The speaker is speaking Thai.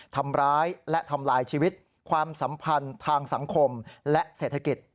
ทำร้ายและทำลายชีวิตความสัมพันธ์ทางสังคมและเศรษฐกิจ